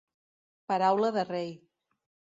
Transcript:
Paraula de rei.